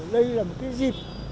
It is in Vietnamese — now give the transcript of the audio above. đây là một cái dịp